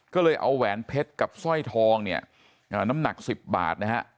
ก็เลยเอาแหวนเพชรกับสร้อยทองเนี่ยน้ำหนัก๑๐บาทนะฮะ